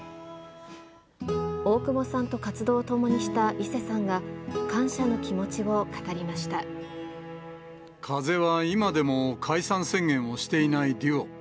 大久保さんと活動を共にした伊勢さんが、感謝の気持ちを語りまし風は、今でも解散宣言をしていないデュオ。